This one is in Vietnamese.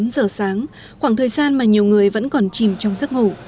bốn giờ sáng khoảng thời gian mà nhiều người vẫn còn chìm trong giấc ngủ